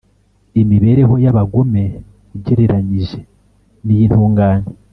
Imibereho y’abagome ugereranyije n’iy’intungane